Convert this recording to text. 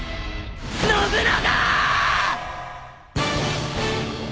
信長！！